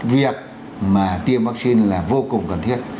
việc mà tiêm vaccine là vô cùng cần thiết